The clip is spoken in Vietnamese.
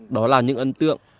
đó là những ân tượng